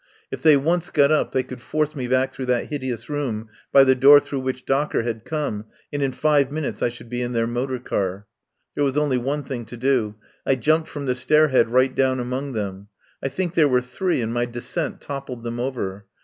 If they once got up they could force me back through that hideous room by the door through which Docker had come, and in five minutes I should be in their motor car. There was only one thing to do. I jumped from the stair head right down among them. I think there were three, and my descent toppled them over.